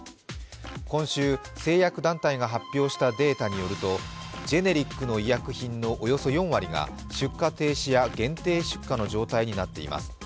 今週、製薬団体が発表したデータによると、ジェネリックの医薬品のおよそ４割が出荷停止や限定出荷の状態になっています。